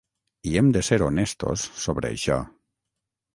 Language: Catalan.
I hem de ser honestos sobre això.